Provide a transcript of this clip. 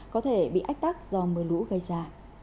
có thể bị ách tắc do mưa lũ gây ra